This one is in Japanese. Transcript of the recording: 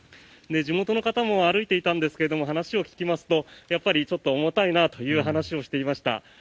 地元の方も歩いていたんですが話を聞きますとやっぱりちょっと重たいなという話をしていました。